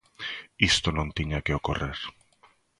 Isto non tiña que ocorrer.